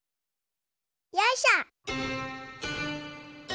よいしょ。